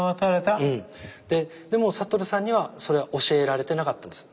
でも覚さんにはそれは教えられてなかったんです。